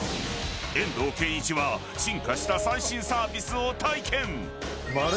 遠藤憲一が進化した最新サービスを体験。